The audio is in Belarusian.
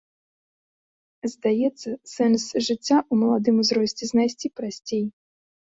Здаецца, сэнс жыцця ў маладым узросце знайсці прасцей.